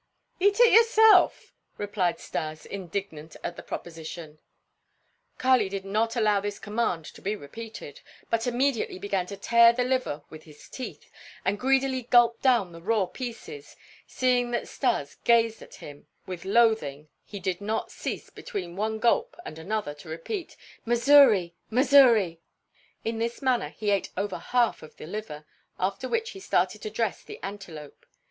"Eat it yourself," replied Stas, indignant at the proposition. Kali did not allow this command to be repeated, but immediately began to tear the liver with his teeth, and greedily gulp down the raw pieces; seeing that Stas gazed at him with loathing he did not cease between one gulp and another to repeat: "Msuri! msuri!" In this manner he ate over half of the liver; after which he started to dress the antelope.